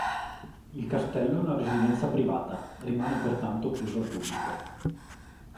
Il castello è una residenza privata, rimane pertanto chiuso al pubblico.